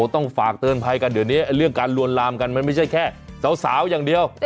ต้องฝากเตือนไพหนุ่นนี้เรื่องการเหลวนลำกันมันไม่ใช่แค่สาวอย่างเดียว